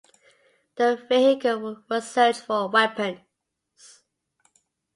The vehicle was searched for weapons.